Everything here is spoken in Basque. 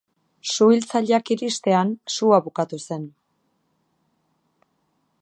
Suhiltzaileak iristean sua bukatu zen.